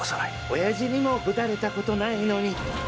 おやじにもぶたれたことないのに！